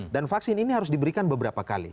dan vaksin ini harus diberikan beberapa kali